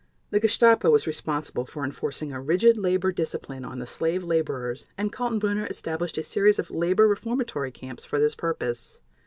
The Gestapo was responsible for enforcing a rigid labor discipline on the slave laborers and Kaltenbrunner established a series of labor reformatory camps for this purpose.